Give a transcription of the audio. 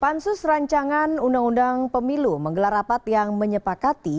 pansus rancangan undang undang pemilu menggelar rapat yang menyepakati